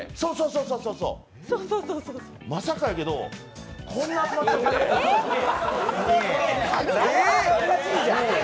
まさかやけど、こんな集まったんでえっ！